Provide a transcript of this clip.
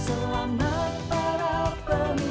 selamat para pemimpin ratnyatnya maku terjamin